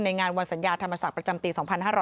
งานวันสัญญาธรรมศักดิ์ประจำปี๒๕๕๙